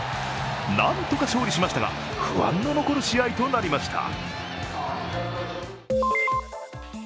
なんとか勝利しましたが不安の残る試合となりました。